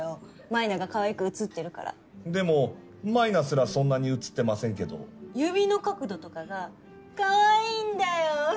舞菜がかわいく写ってるからでも舞菜すらそんなに写ってませんけど指の角度とかがかわいいんだよ